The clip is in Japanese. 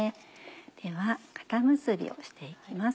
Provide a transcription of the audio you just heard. ではかた結びをして行きます。